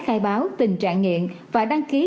khai báo tình trạng nghiện và đăng ký